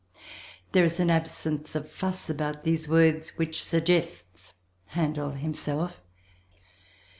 There is an absence of fuss about these words which suggests Handel himself.